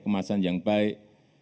kemasan yang baik